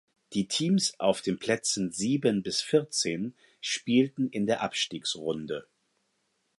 Die Teams auf den Plätzen sieben bis vierzehn spielten in der Abstiegsrunde.